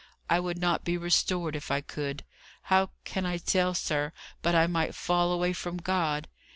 "I would not be restored if I could. How can I tell, sir, but I might fall away from God?